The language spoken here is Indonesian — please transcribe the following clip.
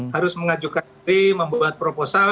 harus mengajukan membuat proposal